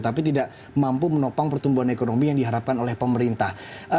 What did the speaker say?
tapi tidak mampu menopang pertumbuhan ekonomi yang diharapkan oleh pemerintah